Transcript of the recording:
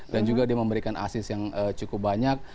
dan juga dia memberikan asis yang cukup banyak